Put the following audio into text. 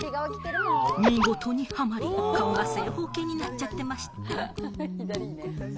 見事にはまり、顔が正方形になっちゃってました。